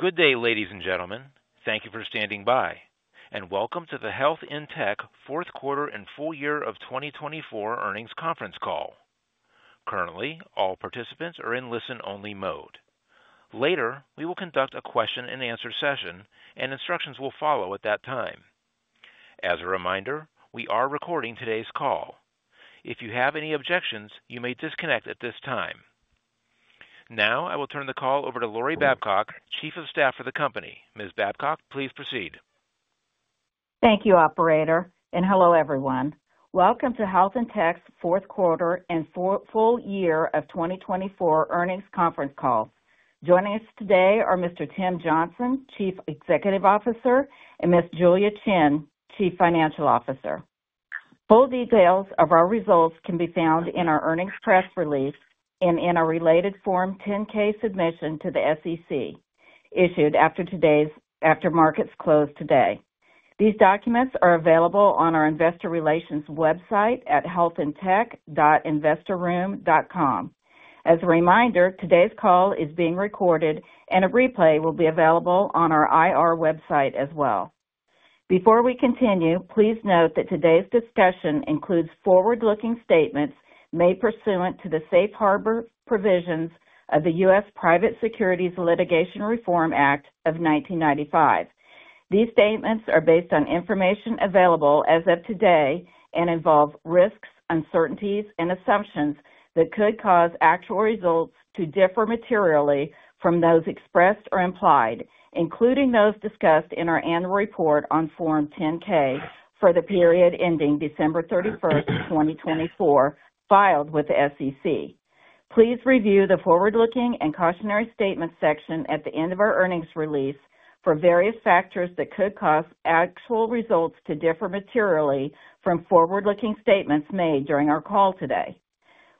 Good day, ladies and gentlemen. Thank you for standing by, and welcome to the Health In Tech Fourth Quarter and Full Year of 2024 Earnings Conference Call. Currently, all participants are in listen-only mode. Later, we will conduct a question and answer session, and instructions will follow at that time. As a reminder, we are recording today's call. If you have any objections, you may disconnect at this time. Now, I will turn the call over to Lori Babcock, Chief of Staff for the company. Ms. Babcock, please proceed. Thank you, Operator, and hello everyone. Welcome to Health In Tech's Fourth Quarter and Full Year of 2024 Earnings Conference Call. Joining us today are Mr. Tim Johnson, Chief Executive Officer, and Ms. Julia Qian, Chief Financial Officer. Full details of our results can be found in our earnings press release and in a related Form 10-K submission to the SEC, issued after markets close today. These documents are available on our investor relations website at healthintech.investorroom.com. As a reminder, today's call is being recorded, and a replay will be available on our IR website as well. Before we continue, please note that today's discussion includes forward-looking statements made pursuant to the safe harbor provisions of the U.S. Private Securities Litigation Reform Act of 1995. These statements are based on information available as of today and involve risks, uncertainties, and assumptions that could cause actual results to differ materially from those expressed or implied, including those discussed in our annual report on Form 10-K for the period ending December 31st, 2024, filed with the SEC. Please review the forward-looking and cautionary statements section at the end of our earnings release for various factors that could cause actual results to differ materially from forward-looking statements made during our call today.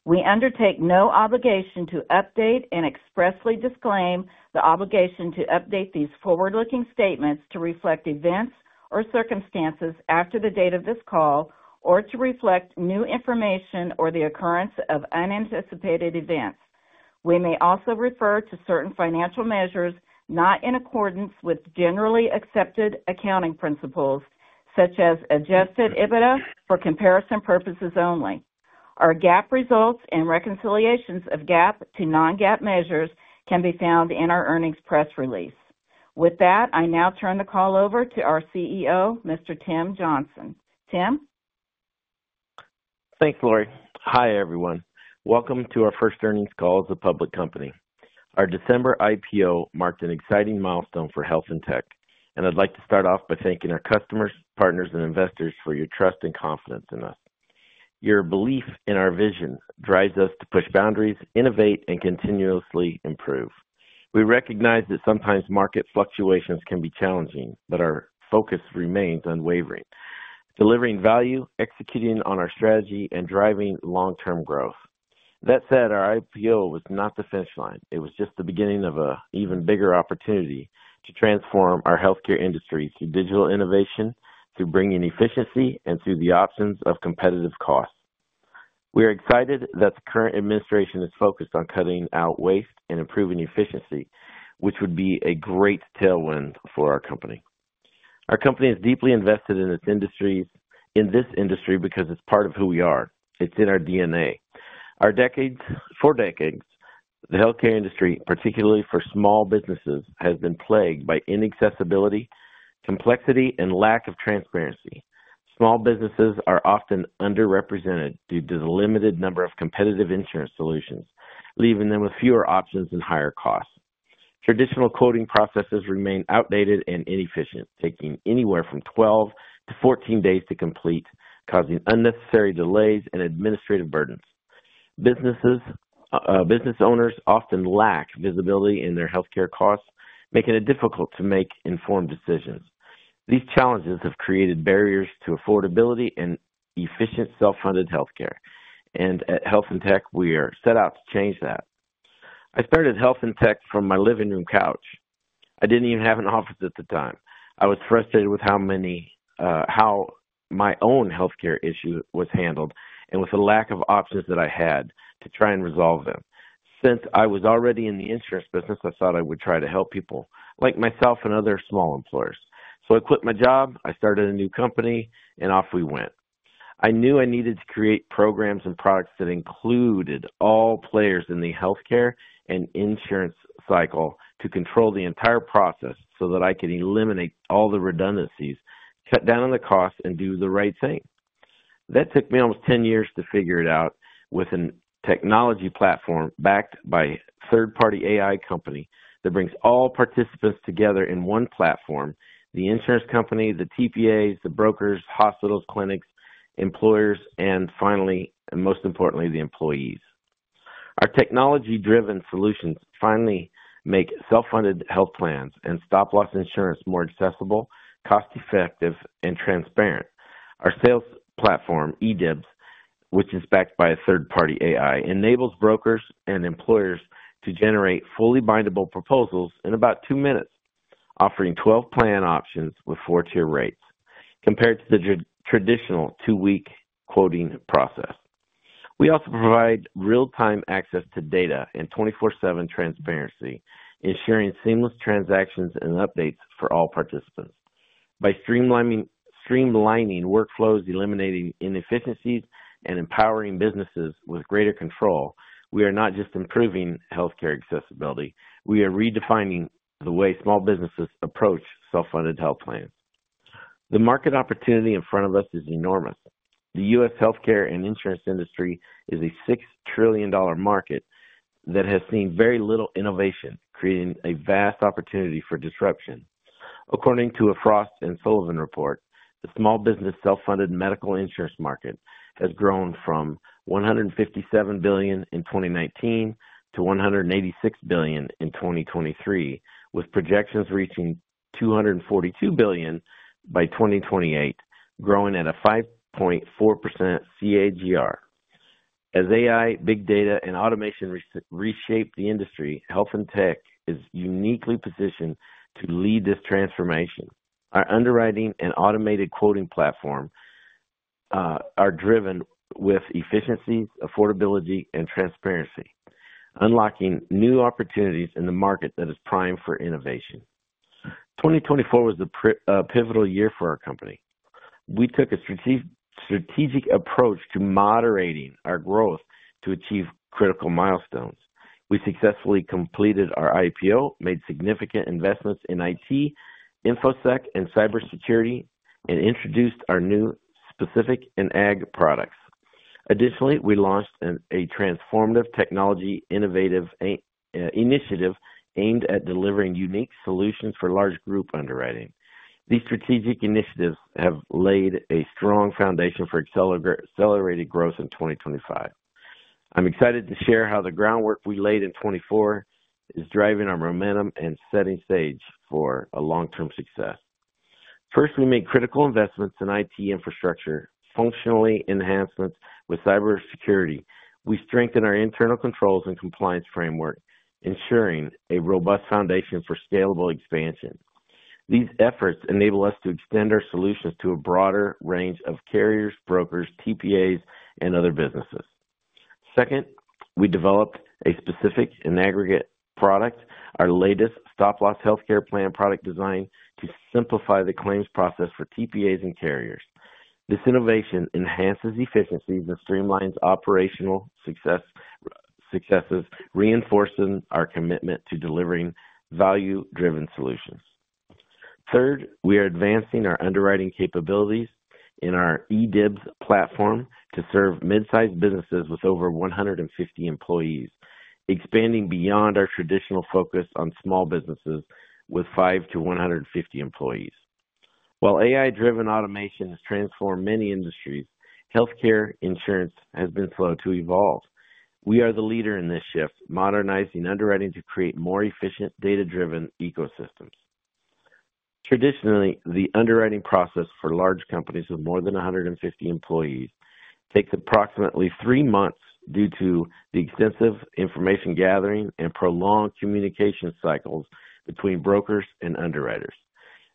We undertake no obligation to update and expressly disclaim the obligation to update these forward-looking statements to reflect events or circumstances after the date of this call or to reflect new information or the occurrence of unanticipated events. We may also refer to certain financial measures not in accordance with generally accepted accounting principles, such as adjusted EBITDA for comparison purposes only. Our GAAP results and reconciliations of GAAP to non-GAAP measures can be found in our earnings press release. With that, I now turn the call over to our CEO, Mr. Tim Johnson. Tim? Thanks, Lori. Hi, everyone. Welcome to our first earnings call as a public company. Our December IPO marked an exciting milestone for Health In Tech, and I'd like to start off by thanking our customers, partners, and investors for your trust and confidence in us. Your belief in our vision drives us to push boundaries, innovate, and continuously improve. We recognize that sometimes market fluctuations can be challenging, but our focus remains unwavering, delivering value, executing on our strategy, and driving long-term growth. That said, our IPO was not the finish line. It was just the beginning of an even bigger opportunity to transform our healthcare industry through digital innovation, through bringing efficiency, and through the options of competitive costs. We are excited that the current administration is focused on cutting out waste and improving efficiency, which would be a great tailwind for our company. Our company is deeply invested in this industry because it's part of who we are. It's in our DNA. For decades, the healthcare industry, particularly for small businesses, has been plagued by inaccessibility, complexity, and lack of transparency. Small businesses are often underrepresented due to the limited number of competitive insurance solutions, leaving them with fewer options and higher costs. Traditional quoting processes remain outdated and inefficient, taking anywhere from 12-14 days to complete, causing unnecessary delays and administrative burdens. Business owners often lack visibility in their healthcare costs, making it difficult to make informed decisions. These challenges have created barriers to affordability and efficient self-funded healthcare. At Health In Tech, we are set out to change that. I started Health In Tech from my living room couch. I didn't even have an office at the time. I was frustrated with how my own healthcare issue was handled and with the lack of options that I had to try and resolve them. Since I was already in the insurance business, I thought I would try to help people like myself and other small employers. I quit my job, I started a new company, and off we went. I knew I needed to create programs and products that included all players in the healthcare and insurance cycle to control the entire process so that I could eliminate all the redundancies, cut down on the cost, and do the right thing. That took me almost 10 years to figure it out with a technology platform backed by a third-party AI company that brings all participants together in one platform: the insurance company, the TPAs, the brokers, hospitals, clinics, employers, and finally, and most importantly, the employees. Our technology-driven solutions finally make self-funded health plans and stop-loss insurance more accessible, cost-effective, and transparent. Our sales platform, eDIYBS, which is backed by a third-party AI, enables brokers and employers to generate fully bindable proposals in about two minutes, offering 12 plan options with four-tier rates compared to the traditional two-week quoting process. We also provide real-time access to data and 24/7 transparency, ensuring seamless transactions and updates for all participants. By streamlining workflows, eliminating inefficiencies, and empowering businesses with greater control, we are not just improving healthcare accessibility. We are redefining the way small businesses approach self-funded health plans. The market opportunity in front of us is enormous. The U.S. healthcare and insurance industry is a $6 trillion market that has seen very little innovation, creating a vast opportunity for disruption. According to a Frost & Sullivan report, the small business self-funded medical insurance market has grown from $157 billion in 2019 to $186 billion in 2023, with projections reaching $242 billion by 2028, growing at a 5.4% CAGR. As AI, big data, and automation reshape the industry, Health In Tech is uniquely positioned to lead this transformation. Our underwriting and automated quoting platform are driven with efficiencies, affordability, and transparency, unlocking new opportunities in the market that is primed for innovation. 2024 was a pivotal year for our company. We took a strategic approach to moderating our growth to achieve critical milestones. We successfully completed our IPO, made significant investments in IT, InfoSec, and cybersecurity, and introduced our new specific and ag products. Additionally, we launched a transformative technology innovative initiative aimed at delivering unique solutions for large group underwriting. These strategic initiatives have laid a strong foundation for accelerated growth in 2025. I'm excited to share how the groundwork we laid in 2024 is driving our momentum and setting stage for a long-term success. First, we made critical investments in IT infrastructure, functional enhancements with cybersecurity. We strengthened our internal controls and compliance framework, ensuring a robust foundation for scalable expansion. These efforts enable us to extend our solutions to a broader range of carriers, brokers, TPAs, and other businesses. Second, we developed a specific and aggregate product, our latest stop-loss healthcare plan product design, to simplify the claims process for TPAs and carriers. This innovation enhances efficiencies and streamlines operational successes, reinforcing our commitment to delivering value-driven solutions. Third, we are advancing our underwriting capabilities in our eDIYBS platform to serve mid-sized businesses with over 150 employees, expanding beyond our traditional focus on small businesses with 5-150 employees. While AI-driven automation has transformed many industries, healthcare insurance has been slow to evolve. We are the leader in this shift, modernizing underwriting to create more efficient data-driven ecosystems. Traditionally, the underwriting process for large companies with more than 150 employees takes approximately three months due to the extensive information gathering and prolonged communication cycles between brokers and underwriters.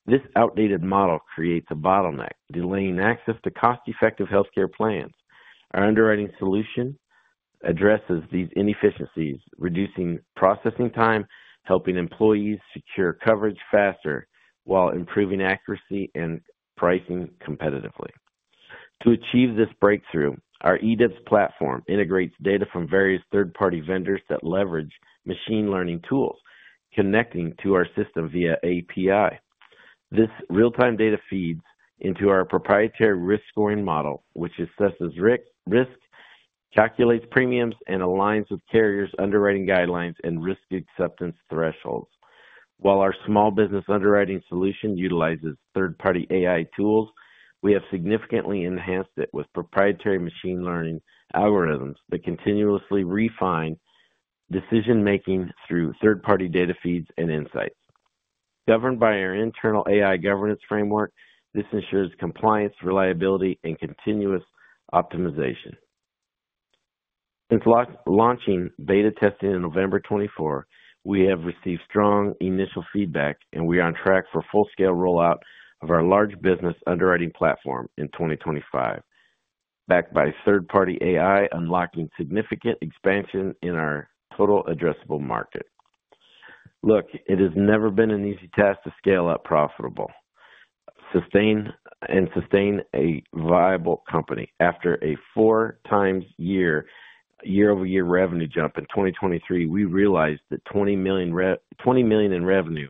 This outdated model creates a bottleneck, delaying access to cost-effective healthcare plans. Our underwriting solution addresses these inefficiencies, reducing processing time, helping employees secure coverage faster while improving accuracy and pricing competitively. To achieve this breakthrough, our eDIYBS platform integrates data from various third-party vendors that leverage machine learning tools, connecting to our system via API. This real-time data feeds into our proprietary risk scoring model, which assesses risk, calculates premiums, and aligns with carriers' underwriting guidelines and risk acceptance thresholds. While our small business underwriting solution utilizes third-party AI tools, we have significantly enhanced it with proprietary machine learning algorithms that continuously refine decision-making through third-party data feeds and insights. Governed by our internal AI governance framework, this ensures compliance, reliability, and continuous optimization. Since launching beta testing in November 2024, we have received strong initial feedback, and we are on track for full-scale rollout of our large business underwriting platform in 2025, backed by third-party AI, unlocking significant expansion in our total addressable market. Look, it has never been an easy task to scale up profitable and sustain a viable company. After a four-time year-over-year revenue jump in 2023, we realized that a $20 million revenue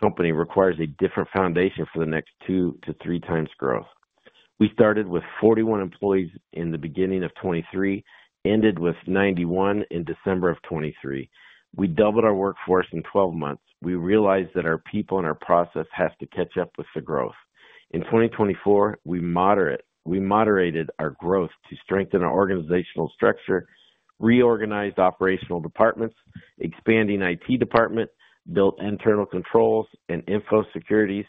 company requires a different foundation for the next two- to three-times growth. We started with 41 employees in the beginning of 2023, ended with 91 in December of 2023. We doubled our workforce in 12 months. We realized that our people and our process have to catch up with the growth. In 2024, we moderated our growth to strengthen our organizational structure, reorganized operational departments, expanded the IT department, built internal controls and info securities,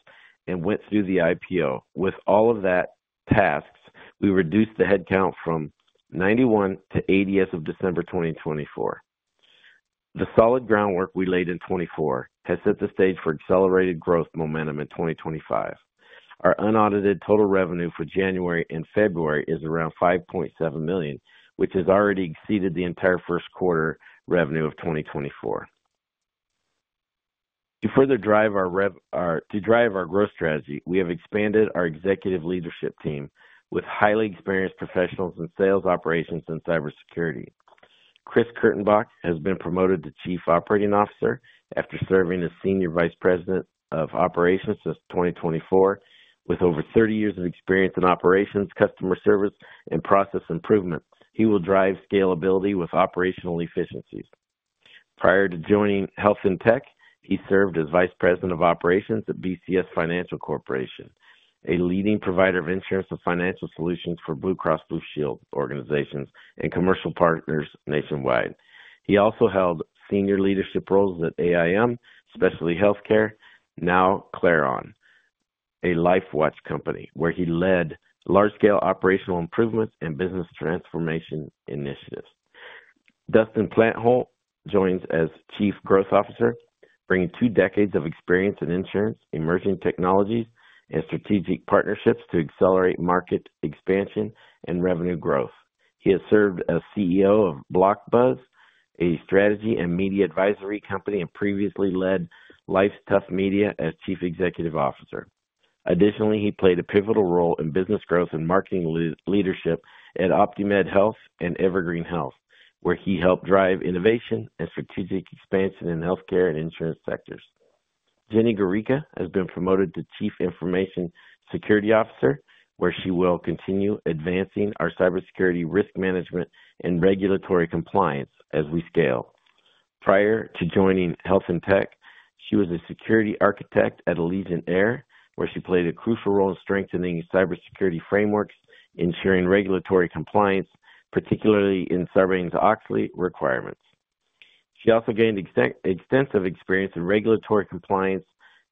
and went through the IPO. With all of that tasks, we reduced the headcount from 91 to 80 as of December 2024. The solid groundwork we laid in 2024 has set the stage for accelerated growth momentum in 2025. Our unaudited total revenue for January and February is around $5.7 million, which has already exceeded the entire first quarter revenue of 2024. To further drive our growth strategy, we have expanded our executive leadership team with highly experienced professionals in sales, operations, and cybersecurity. Chris Kurtenbach has been promoted to Chief Operating Officer after serving as Senior Vice President of Operations since 2024. With over 30 years of experience in operations, customer service, and process improvement, he will drive scalability with operational efficiencies. Prior to joining Health In Tech, he served as Vice President of Operations at BCS Financial Corporation, a leading provider of insurance and financial solutions for Blue Cross Blue Shield organizations and commercial partners nationwide. He also held senior leadership roles at AIM Specialty Healthcare, now Carelon, a life watch company, where he led large-scale operational improvements and business transformation initiatives. Dustin Plantholt joins as Chief Growth Officer, bringing two decades of experience in insurance, emerging technologies, and strategic partnerships to accelerate market expansion and revenue growth. He has served as CEO of BlockBuzz, a strategy and media advisory company, and previously led Life's Tough Media as Chief Executive Officer. Additionally, he played a pivotal role in business growth and marketing leadership at OptiMed Health and Evergreen Health, where he helped drive innovation and strategic expansion in healthcare and insurance sectors. Jenni Guerrica has been promoted to Chief Information Security Officer, where she will continue advancing our cybersecurity risk management and regulatory compliance as we scale. Prior to joining Health In Tech, she was a security architect at Allegiant Air, where she played a crucial role in strengthening cybersecurity frameworks, ensuring regulatory compliance, particularly in Sarbanes-Oxley requirements. She also gained extensive experience in regulatory compliance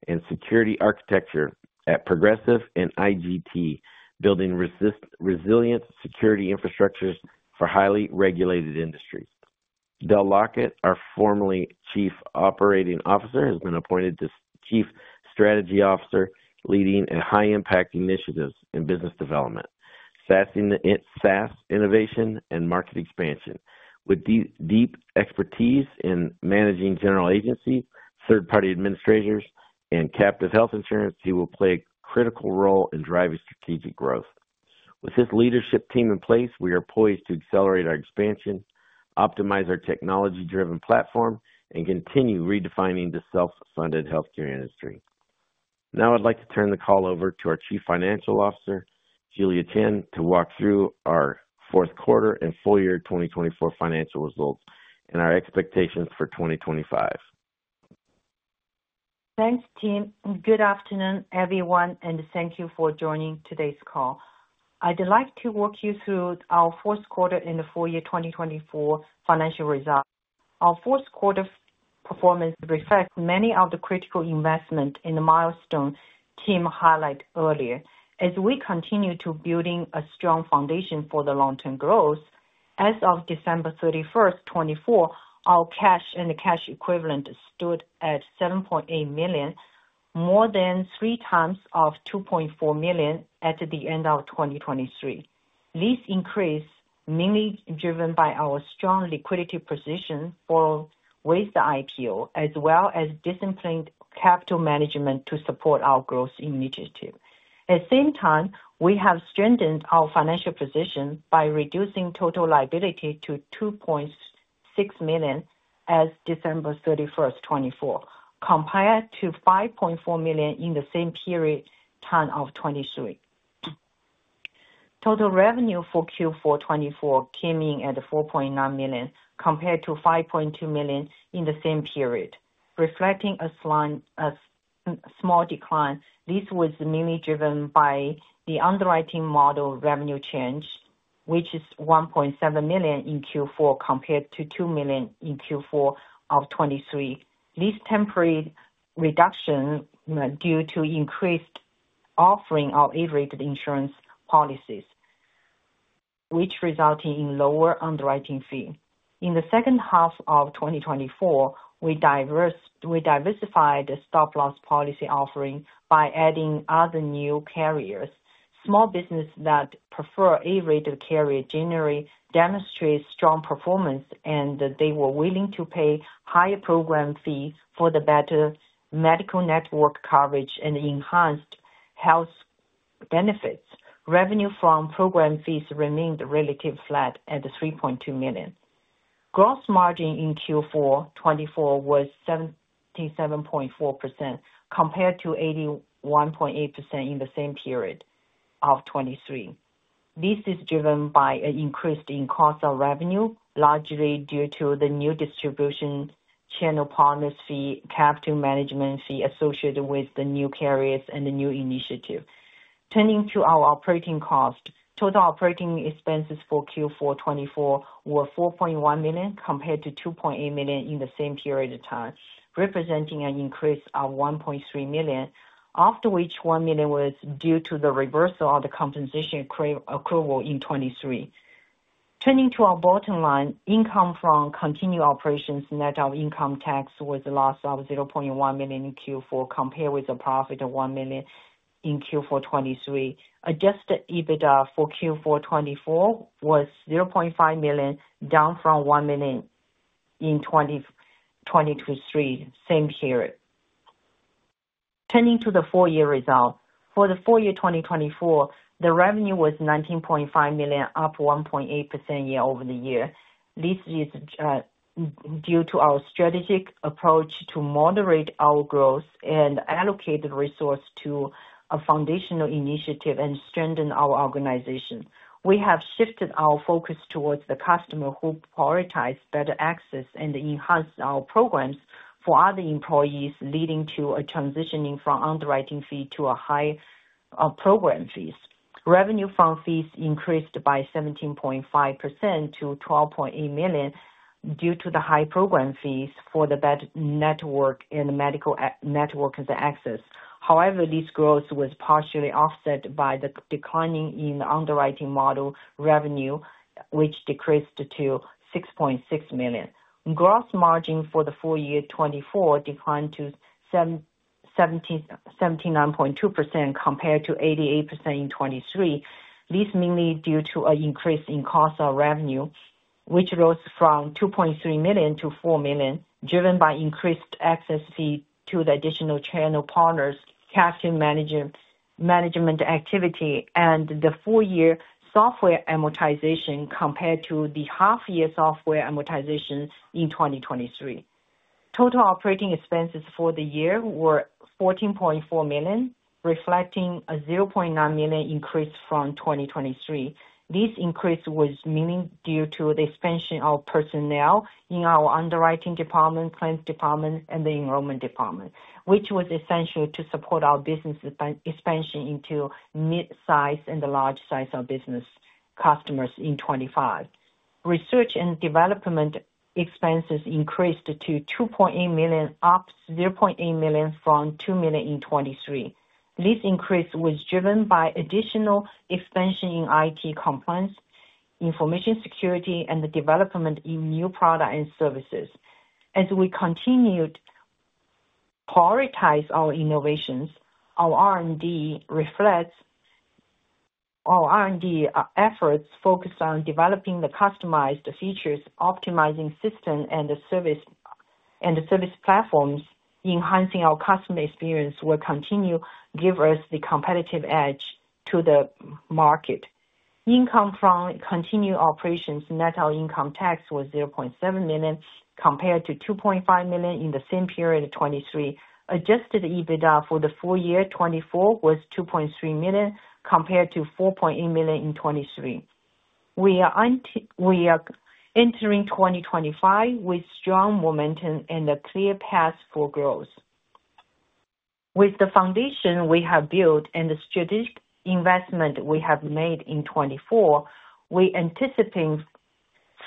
and security architecture at Progressive and IGT, building resilient security infrastructures for highly regulated industries. Del Lockett, our former Chief Operating Officer, has been appointed to Chief Strategy Officer, leading high-impact initiatives in business development, SaaS innovation, and market expansion. With deep expertise in managing general agencies, third-party administrators, and captive health insurance, he will play a critical role in driving strategic growth. With his leadership team in place, we are poised to accelerate our expansion, optimize our technology-driven platform, and continue redefining the self-funded healthcare industry. Now, I'd like to turn the call over to our Chief Financial Officer, Julia Qian, to walk through our fourth quarter and full year 2024 financial results and our expectations for 2025. Thanks, Tim. Good afternoon, everyone, and thank you for joining today's call. I'd like to walk you through our fourth quarter and the full year 2024 financial results. Our fourth quarter performance reflects many of the critical investments and milestones Tim highlighted earlier. As we continue to build a strong foundation for the long-term growth, as of December 31st, 2024, our cash and cash equivalents stood at $7.8 million, more than three times $2.4 million at the end of 2023. This increase, mainly driven by our strong liquidity position with the IPO, as well as disciplined capital management to support our growth initiative. At the same time, we have strengthened our financial position by reducing total liability to $2.6 million as of December 31st, 2024, compared to $5.4 million in the same period of 2023. Total revenue for Q4 2024 came in at $4.9 million compared to $5.2 million in the same period, reflecting a small decline. This was mainly driven by the underwriting model revenue change, which is $1.7 million in Q4 compared to $2 million in Q4 of 2023. This temporary reduction was due to increased offering of A-rated insurance policies, which resulted in lower underwriting fees. In the second half of 2024, we diversified the stop-loss policy offering by adding other new carriers. Small businesses that prefer A-rated carriers generally demonstrate strong performance, and they were willing to pay higher program fees for the better medical network coverage and enhanced health benefits. Revenue from program fees remained relatively flat at $3.2 million. Gross margin in Q4 2024 was 77.4% compared to 81.8% in the same period of 2023. This is driven by an increase in cost of revenue, largely due to the new distribution channel partners fee, capital management fee associated with the new carriers and the new initiative. Turning to our operating costs, total operating expenses for Q4 2024 were $4.1 million compared to $2.8 million in the same period of time, representing an increase of $1.3 million, of which $1 million was due to the reversal of the compensation accrual in 2023. Turning to our bottom line, income from continued operations net of income tax was a loss of $0.1 million in Q4 compared with a profit of $1 million in Q4 2023. Adjusted EBITDA for Q4 2024 was $0.5 million, down from $1 million in 2023, same period. Turning to the full year result, for the full year 2024, the revenue was $19.5 million, up 1.8% year-over-year. This is due to our strategic approach to moderate our growth and allocate the resource to a foundational initiative and strengthen our organization. We have shifted our focus towards the customer who prioritizes better access and enhanced our programs for other employees, leading to a transitioning from underwriting fees to high program fees. Revenue from fees increased by 17.5% to $12.8 million due to the high program fees for the better network and medical network access. However, this growth was partially offset by the declining in the underwriting model revenue, which decreased to $6.6 million. Gross margin for the full year 2024 declined to 79.2% compared to 88% in 2023. This is mainly due to an increase in cost of revenue, which rose from $2.3 million to $4 million, driven by increased access fees to the additional channel partners, captive management activity, and the full year software amortization compared to the half-year software amortization in 2023. Total operating expenses for the year were $14.4 million, reflecting a $0.9 million increase from 2023. This increase was mainly due to the expansion of personnel in our underwriting department, claims department, and the enrollment department, which was essential to support our business expansion into mid-size and large-size of business customers in 2025. Research and development expenses increased to $2.8 million, up $0.8 million from $2 million in 2023. This increase was driven by additional expansion in IT compliance, information security, and the development in new products and services. As we continued to prioritize our innovations, our R&D efforts focused on developing the customized features, optimizing systems and service platforms, enhancing our customer experience will continue to give us the competitive edge to the market. Income from continued operations net of income tax was $0.7 million compared to $2.5 million in the same period of 2023. Adjusted EBITDA for the full year 2024 was $2.3 million compared to $4.8 million in 2023. We are entering 2025 with strong momentum and a clear path for growth. With the foundation we have built and the strategic investment we have made in 2024, we anticipate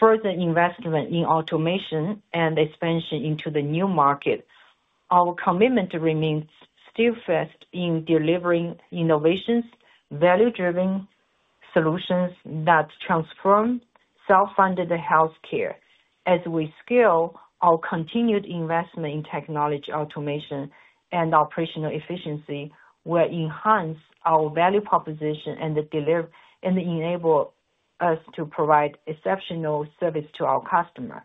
further investment in automation and expansion into the new market. Our commitment remains steadfast in delivering innovations, value-driven solutions that transform self-funded healthcare. As we scale, our continued investment in technology automation and operational efficiency will enhance our value proposition and enable us to provide exceptional service to our customers.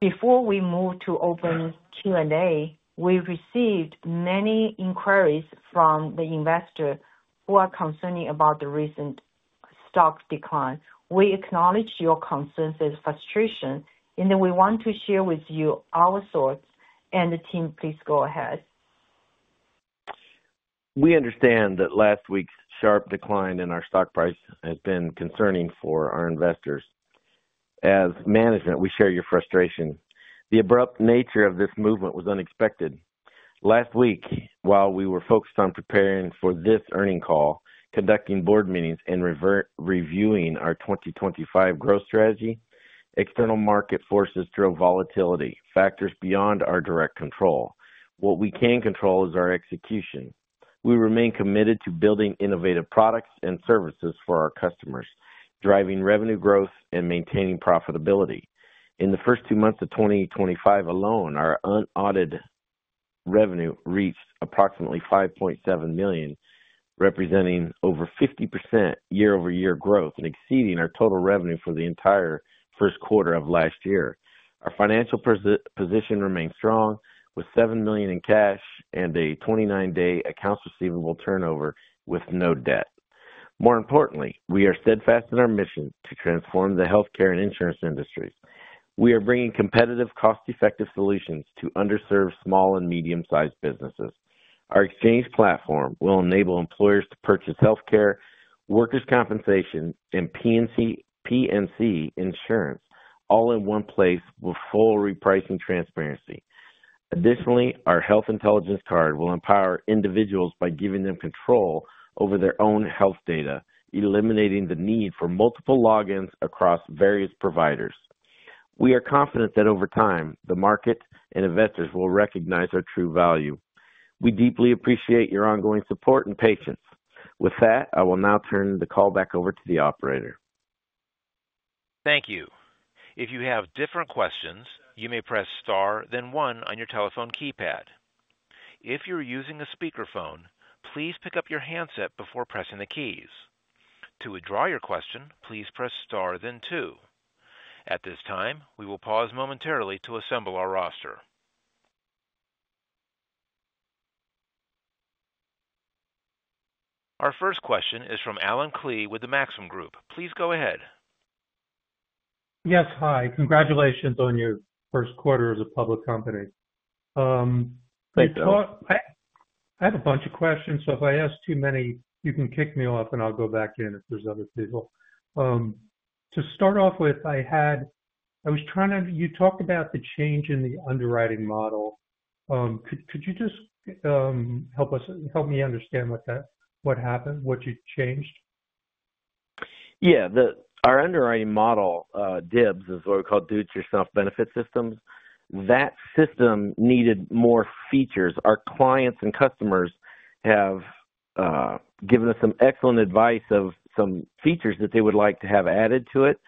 Before we move to open Q&A, we received many inquiries from the investors who are concerned about the recent stock decline. We acknowledge your concerns and frustration, and we want to share with you our thoughts. Tim, please go ahead. We understand that last week's sharp decline in our stock price has been concerning for our investors. As management, we share your frustration. The abrupt nature of this movement was unexpected. Last week, while we were focused on preparing for this earnings call, conducting board meetings, and reviewing our 2025 growth strategy, external market forces drove volatility, factors beyond our direct control. What we can control is our execution. We remain committed to building innovative products and services for our customers, driving revenue growth and maintaining profitability. In the first two months of 2025 alone, our unaudited revenue reached approximately $5.7 million, representing over 50% year-over-year growth and exceeding our total revenue for the entire first quarter of last year. Our financial position remained strong, with $7 million in cash and a 29-day accounts receivable turnover with no debt. More importantly, we are steadfast in our mission to transform the healthcare and insurance industries. We are bringing competitive, cost-effective solutions to underserved small and medium-sized businesses. Our exchange platform will enable employers to purchase healthcare, workers' compensation, and P&C insurance, all in one place with full repricing transparency. Additionally, our Health Intelligence Card will empower individuals by giving them control over their own health data, eliminating the need for multiple logins across various providers. We are confident that over time, the market and investors will recognize our true value. We deeply appreciate your ongoing support and patience. With that, I will now turn the call back over to the operator. Thank you. If you have different questions, you may press star, then one on your telephone keypad. If you're using a speakerphone, please pick up your handset before pressing the keys. To withdraw your question, please press star, then two. At this time, we will pause momentarily to assemble our roster. Our first question is from Allen Klee with the Maxim Group. Please go ahead. Yes, hi. Congratulations on your first quarter as a public company. Thank you. I have a bunch of questions, so if I ask too many, you can kick me off and I'll go back in if there's other people. To start off with, I was trying to—you talked about the change in the underwriting model. Could you just help me understand what happened, what you changed? Yeah. Our underwriting model, eDIYBS, is what we call do-it-yourself benefit systems. That system needed more features. Our clients and customers have given us some excellent advice of some features that they would like to have added to it.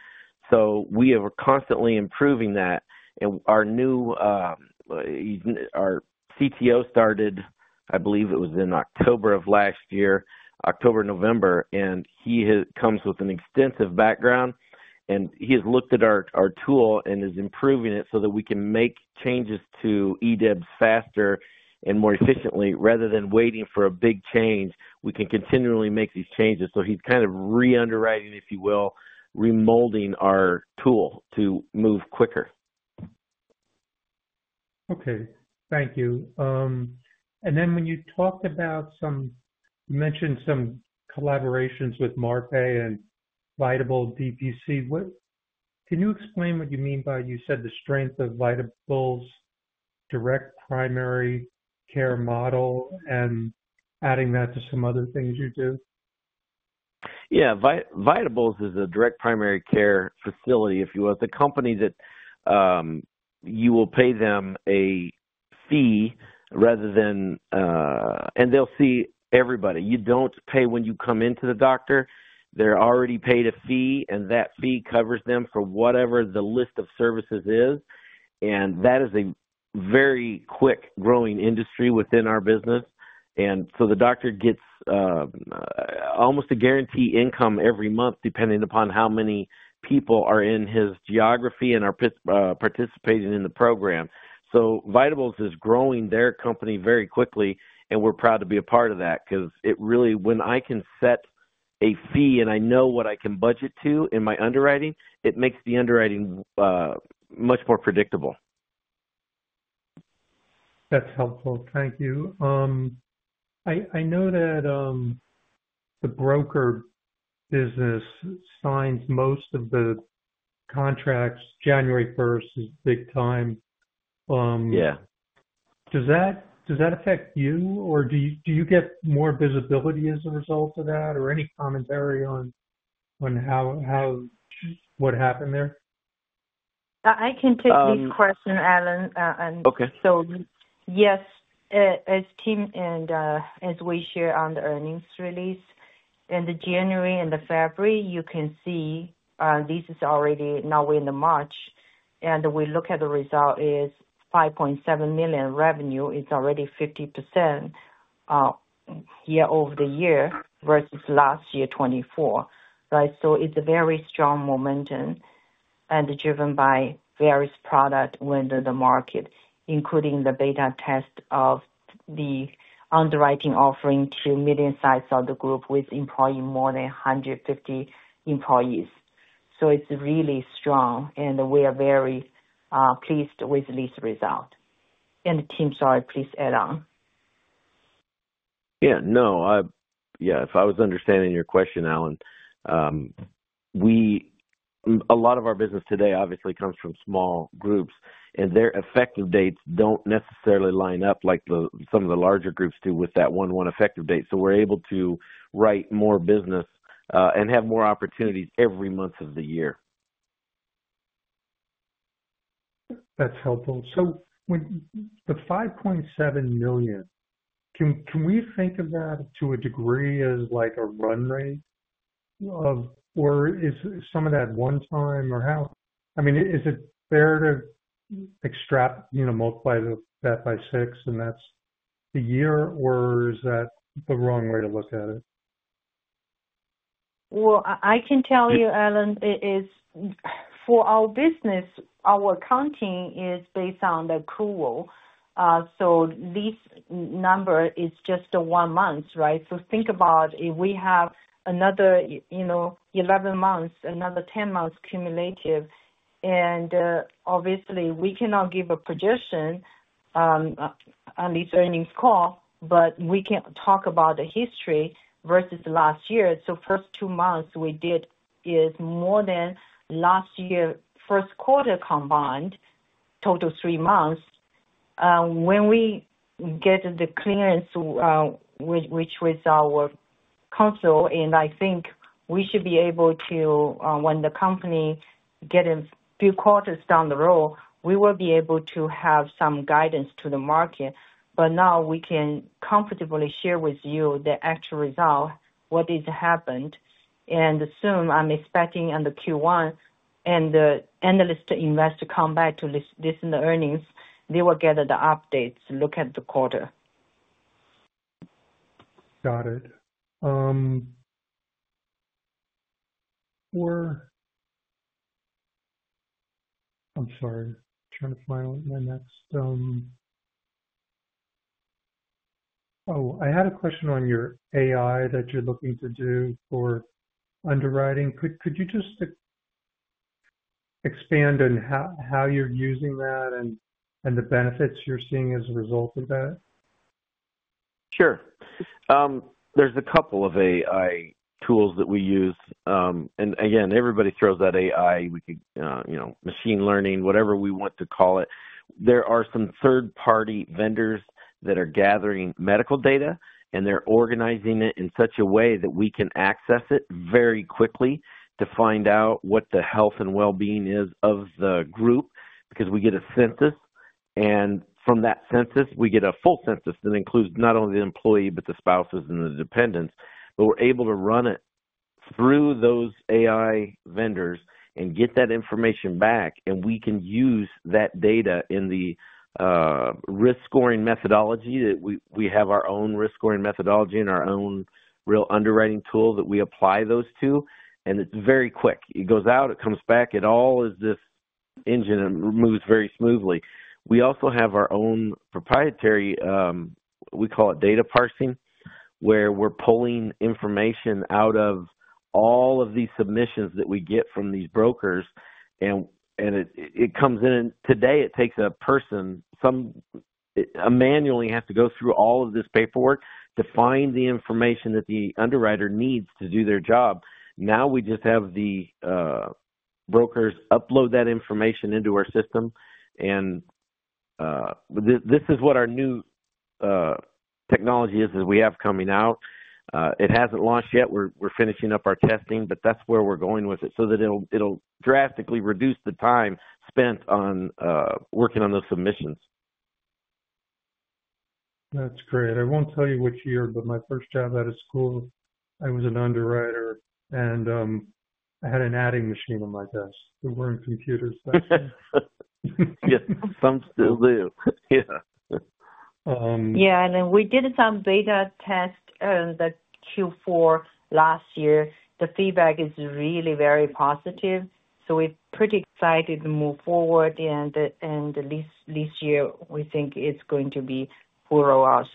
We are constantly improving that. Our CTO started, I believe it was in October of last year, October/November, and he comes with an extensive background. He has looked at our tool and is improving it so that we can make changes to eDIYBS faster and more efficiently. Rather than waiting for a big change, we can continually make these changes. He is kind of re-underwriting, if you will, remolding our tool to move quicker. Okay. Thank you. When you talked about some—you mentioned some collaborations with Marpai and Vitable DPC. Can you explain what you mean by you said the strength of Vitable's direct primary care model and adding that to some other things you do? Yeah. Vitable is a direct primary care facility, if you will. It is a company that you will pay them a fee rather than—and they will see everybody. You do not pay when you come into the doctor. They are already paid a fee, and that fee covers them for whatever the list of services is. That is a very quick-growing industry within our business. The doctor gets almost a guaranteed income every month depending upon how many people are in his geography and are participating in the program. Vitable is growing their company very quickly, and we're proud to be a part of that because it really, when I can set a fee and I know what I can budget to in my underwriting, it makes the underwriting much more predictable. That's helpful. Thank you. I know that the broker business signs most of the contracts. January 1st is big time. Does that affect you, or do you get more visibility as a result of that, or any commentary on what happened there? I can take this question, Allen. Yes, as Tim and as we share on the earnings release, in the January and the February, you can see this is already now we're in March. We look at the result, it is $5.7 million revenue. It is already 50% year-over-year versus last year, 2024. Right? It is a very strong momentum and driven by various products within the market, including the beta test of the underwriting offering to medium-sized of the group with employees more than 150 employees. It is really strong, and we are very pleased with this result. Tim, sorry, please add on. Yeah. No. Yeah. If I was understanding your question, Allen, a lot of our business today obviously comes from small groups, and their effective dates do not necessarily line up like some of the larger groups do with that one-to-one effective date. We're able to write more business and have more opportunities every month of the year. That's helpful. The $5.7 million, can we think of that to a degree as a run rate of—or is some of that one time, or how? I mean, is it fair to extrapolate that by six, and that's the year, or is that the wrong way to look at it? I can tell you, Allen, it is for our business, our accounting is based on the accrual. This number is just one month, right? Think about if we have another 11 months, another 10 months cumulative. Obviously, we cannot give a projection on this earnings call, but we can talk about the history versus last year. First two months we did is more than last year's first quarter combined, total three months. When we get the clearance, which was our console, I think we should be able to, when the company gets a few quarters down the road, we will be able to have some guidance to the market. Now we can comfortably share with you the actual result, what has happened. Soon I'm expecting on the Q1 and the analyst investor come back to listen to the earnings. They will get the updates to look at the quarter. Got it. I'm sorry. Trying to find my next—oh, I had a question on your AI that you're looking to do for underwriting. Could you just expand on how you're using that and the benefits you're seeing as a result of that? Sure. There's a couple of AI tools that we use. Again, everybody throws that AI, machine learning, whatever we want to call it. There are some third-party vendors that are gathering medical data, and they're organizing it in such a way that we can access it very quickly to find out what the health and well-being is of the group because we get a census. From that census, we get a full census that includes not only the employee but the spouses and the dependents. We're able to run it through those AI vendors and get that information back, and we can use that data in the risk scoring methodology that we have, our own risk scoring methodology and our own real underwriting tool that we apply those to. It is very quick. It goes out, it comes back. It all is this engine and moves very smoothly. We also have our own proprietary—we call it data parsing—where we're pulling information out of all of these submissions that we get from these brokers. It comes in. Today, it takes a person—some manually have to go through all of this paperwork to find the information that the underwriter needs to do their job. Now we just have the brokers upload that information into our system. This is what our new technology is that we have coming out. It hasn't launched yet. We're finishing up our testing, but that's where we're going with it so that it'll drastically reduce the time spent on working on those submissions. That's great. I won't tell you which year, but my first job out of school, I was an underwriter, and I had an adding machine on my desk. We weren't computers, but yeah. Some still do. Yeah. Yeah. We did some beta test in Q4 last year. The feedback is really very positive. We are pretty excited to move forward. This year, we think it is going to be for us.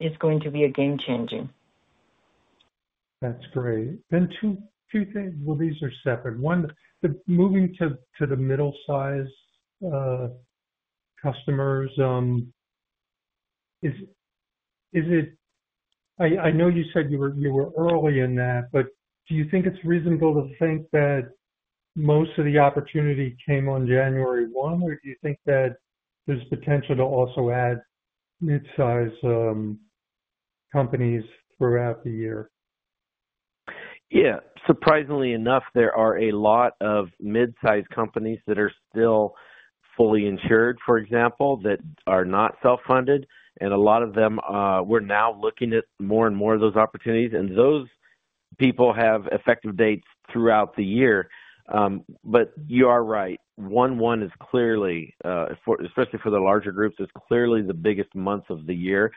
It is going to be a game-changer. That is great. Two things—these are separate. One, moving to the middle-sized customers, is it—I know you said you were early in that, but do you think it is reasonable to think that most of the opportunity came on January 1, or do you think that there is potential to also add mid-sized companies throughout the year? Yeah. Surprisingly enough, there are a lot of mid-sized companies that are still fully insured, for example, that are not self-funded. A lot of them, we are now looking at more and more of those opportunities. Those people have effective dates throughout the year. You are right. 1/1 is clearly, especially for the larger groups, is clearly the biggest month of the year.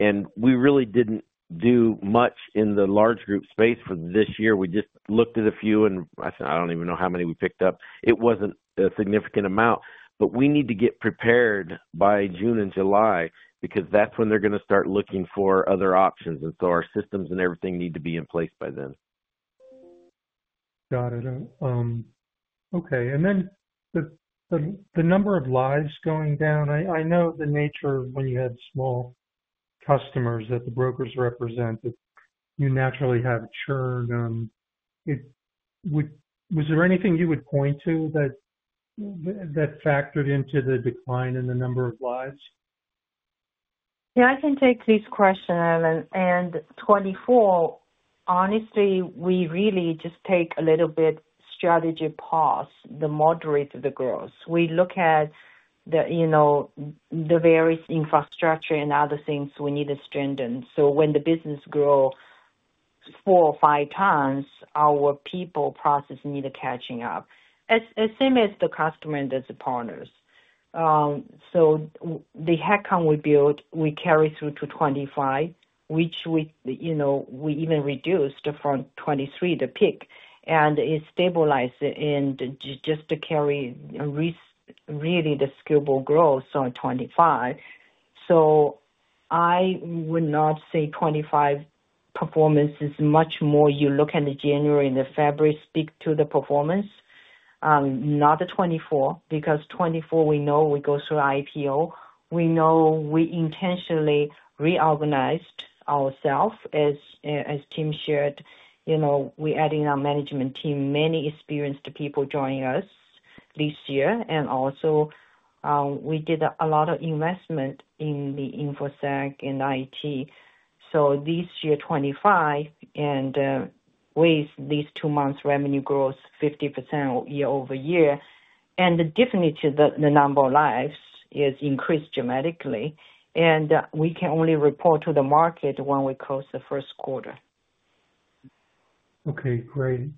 We really did not do much in the large group space for this year. We just looked at a few, and I do not even know how many we picked up. It was not a significant amount. We need to get prepared by June and July because that is when they are going to start looking for other options. Our systems and everything need to be in place by then. Got it. Okay. The number of lives going down, I know the nature of when you had small customers that the brokers represented, you naturally have a churn. Was there anything you would point to that factored into the decline in the number of lives? Yeah. I can take this question, Allen. In 2024, honestly, we really just take a little bit strategy past the moderate of the growth. We look at the various infrastructure and other things we need to strengthen. When the business grows four or five times, our people process need to catch up. Same as the customer and the supporters. The headcount we built, we carried through to 2025, which we even reduced from 2023 to peak. It stabilized and just carried really the scalable growth on 2025. I would not say 2025 performance is much more you look at the January and the February speak to the performance, not the 2024 because 2024, we know we go through IPO. We know we intentionally reorganized ourselves. As Tim shared, we added in our management team, many experienced people joining us this year. Also, we did a lot of investment in the infosec and IT. This year, 2025, and with these two months' revenue growth, 50% year-over-year. Definitely, the number of lives has increased dramatically. We can only report to the market when we close the first quarter. Okay. Great.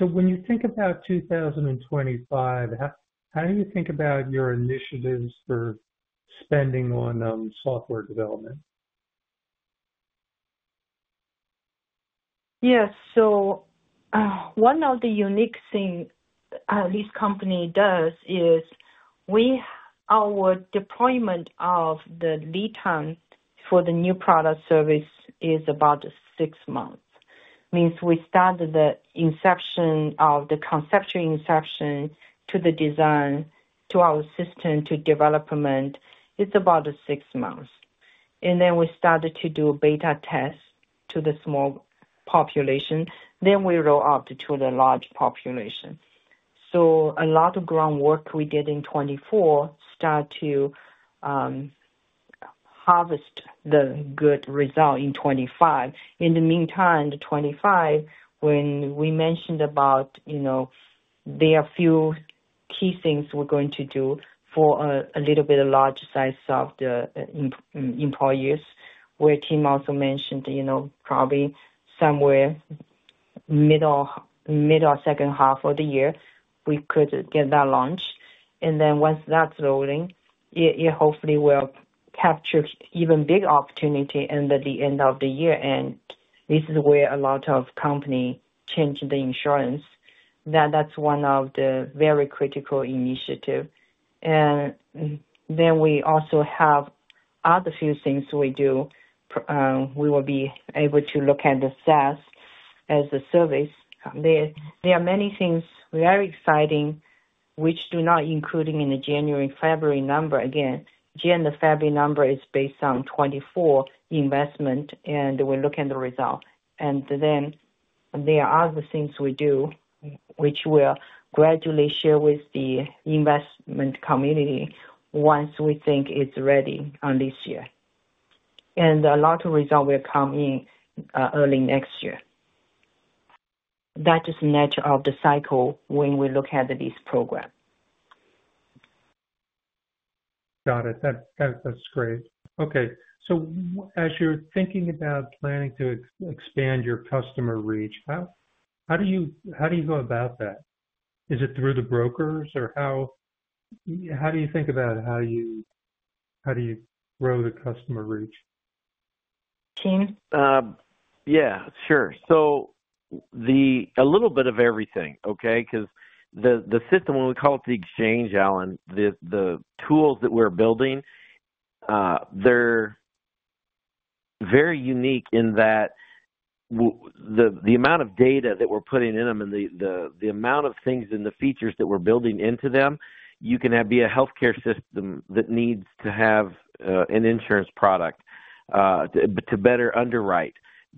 When you think about 2025, how do you think about your initiatives for spending on software development? Yes. One of the unique things this company does is our deployment of the lead time for the new product service is about six months. Means we started the inception of the conceptual inception to the design to our system to development. It's about six months. We started to do beta tests to the small population. We roll out to the large population. A lot of groundwork we did in 2024 started to harvest the good result in 2025. In the meantime, in 2025, when we mentioned about there are a few key things we're going to do for a little bit of large size of the employees, where Tim also mentioned probably somewhere middle or second half of the year, we could get that launch. Once that's rolling, it hopefully will capture even big opportunity in the end of the year. This is where a lot of companies change the insurance. That's one of the very critical initiatives. We also have other few things we do. We will be able to look at the SaaS as a Service. There are many things very exciting which do not include in the January-February number. Again, January-February number is based on 2024 investment, and we look at the result. There are other things we do which we'll gradually share with the investment community once we think it's ready on this year. A lot of results will come in early next year. That is the nature of the cycle when we look at this program. Got it. That's great. Okay. As you're thinking about planning to expand your customer reach, how do you go about that? Is it through the brokers, or how do you think about how do you grow the customer reach? Tim? Yeah. Sure. A little bit of everything, okay? Because the system, when we call it the Exchange, Allen, the tools that we're building, they're very unique in that the amount of data that we're putting in them and the amount of things and the features that we're building into them, you can be a healthcare system that needs to have an insurance product to better underwrite.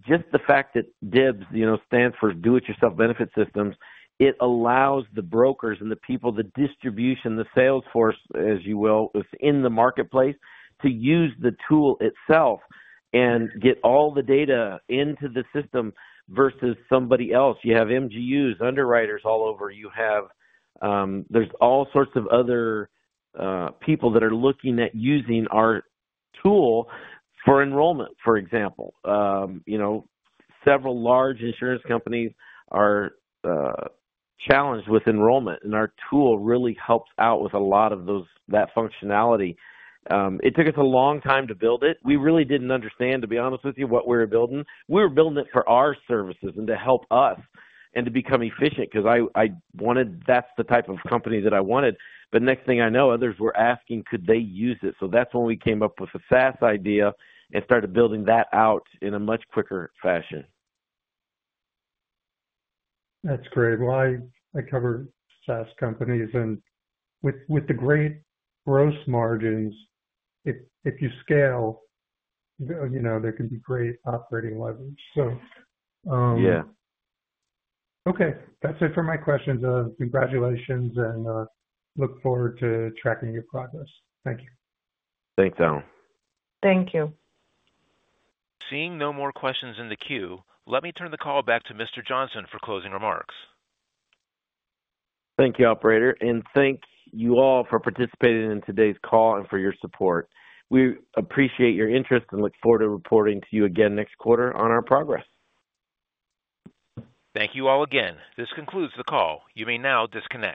Just the fact that eDIYBS, stands for Do-It-Yourself Benefit Systems, it allows the brokers and the people, the distribution, the salesforce, as you will, within the marketplace to use the tool itself and get all the data into the system versus somebody else. You have MGUs, underwriters all over. There's all sorts of other people that are looking at using our tool for enrollment, for example. Several large insurance companies are challenged with enrollment, and our tool really helps out with a lot of that functionality. It took us a long time to build it. We really did not understand, to be honest with you, what we were building. We were building it for our services and to help us and to become efficient because that is the type of company that I wanted. Next thing I know, others were asking, "Could they use it?" That is when we came up with the SaaS idea and started building that out in a much quicker fashion. That is great. I cover SaaS companies. With the great gross margins, if you scale, there can be great operating leverage. Yeah. Okay. That is it for my questions. Congratulations, and look forward to tracking your progress. Thank you. Thanks, Allen. Thank you. Seeing no more questions in the queue, let me turn the call back to Mr. Johnson for closing remarks. Thank you, operator. Thank you all for participating in today's call and for your support. We appreciate your interest and look forward to reporting to you again next quarter on our progress. Thank you all again. This concludes the call. You may now disconnect.